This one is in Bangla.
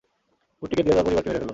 কুট্টিকে দিয়ে তার পরিবারকে মেরে ফেলব।